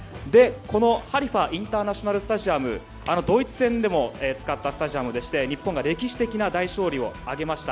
ハリファ・インターナショナル・スタジアムはあのドイツ戦でも使ったスタジアムでして日本が歴史的な大勝利を上げました。